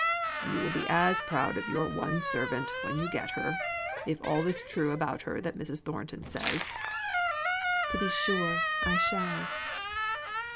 "You will be as proud of your one servant when you get her, if all is true about her that Mrs. Thornton says." "To be sure, I shall.